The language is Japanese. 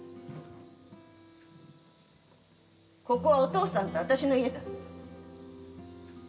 ここはお父さんと私の家だ。